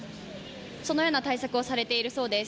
そのような対策をされているそうです。